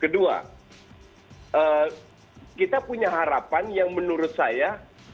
kedua kita punya harapan yang menurut saya